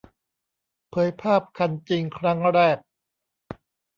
เผยภาพคันจริงครั้งแรก